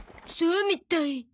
そうみたい。